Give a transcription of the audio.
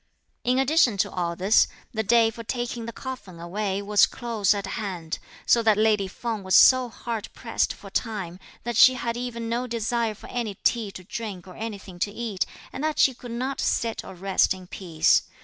In addition to all this, the day for taking the coffin away was close at hand, so that lady Feng was so hard pressed for time that she had even no desire for any tea to drink or anything to eat, and that she could not sit or rest in peace.